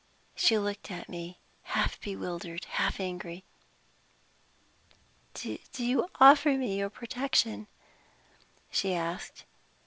She looked at me half bewildered, half angry. "Do you offer me your protection?" she asked.